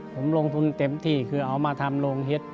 ผมลงทุนเต็มที่คือเอามาทำโรงเห็ด